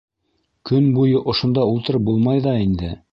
Көн буйы ошонда ултырып булмай ҙа инде...